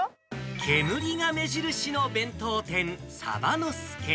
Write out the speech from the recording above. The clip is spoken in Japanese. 煙が目印の弁当店、鯖の助。